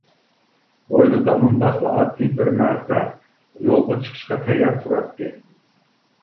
ھويلىدا مۇنداقلا ئاددىي بىر مەپە يولغا چىقىشقا تەييار تۇراتتى.